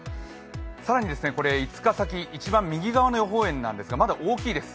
更に５日先、一番右側の予報円なんですがまだ大きいです。